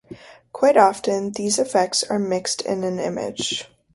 Quite often these effects are mixed in an image.